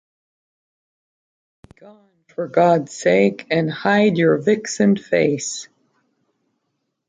Begone, for God’s sake, and hide your vixen face!